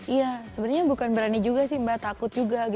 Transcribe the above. iya sebenarnya bukan berani juga sih mbak takut juga